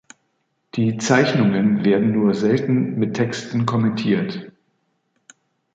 Die Zeichnungen werden nur selten mit Texten kommentiert.